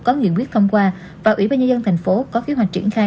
có nguyên quyết thông qua và ủy ban nhân dân tp hcm có kế hoạch triển khai